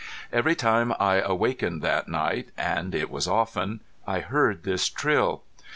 Every time I awakened that night, and it was often, I heard this trill.